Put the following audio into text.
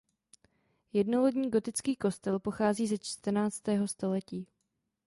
Jednolodní gotický kostel pochází ze čtrnáctého století.